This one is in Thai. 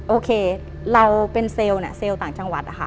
โอเคเราเป็นเซลล์เนี่ยเซลล์ต่างจังหวัดนะคะ